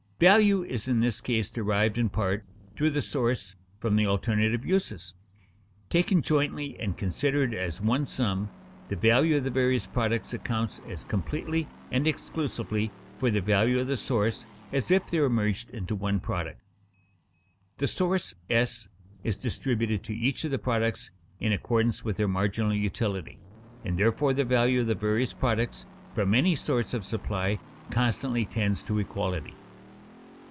Value is in this case derived in part, through the source, from the alternate uses. Taken jointly and considered as one sum, the value of the various products accounts as completely and exclusively for the value of the source as if they were merged into one product. The source (S) is distributed to each of the products in accordance with their marginal utility, and therefore the value of the various products from any source of supply constantly tends to equality.